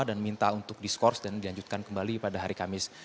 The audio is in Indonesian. dan minta untuk diskors dan dilanjutkan kembali pada hari kamis